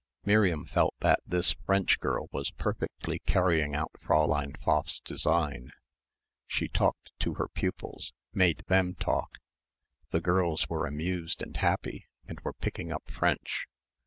Miriam felt that this French girl was perfectly carrying out Fräulein Pfaff's design. She talked to her pupils, made them talk; the girls were amused and happy and were picking up French.